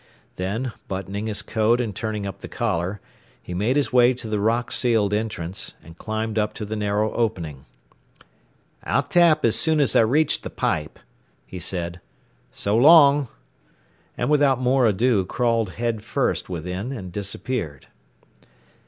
Then, buttoning his coat and turning up the collar, he made his way to the rock sealed entrance, and climbed up to the narrow opening. "I'll tap as soon as I reach the pipe," he said. "So long!" and without more ado crawled head first within and disappeared.